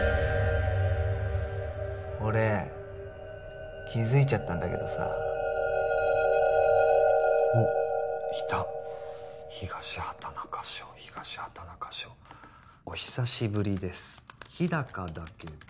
俺気づいちゃったんだけどさおっいた東畑中小東畑中小「お久しぶりです日高だけど」